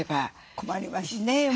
困りますね。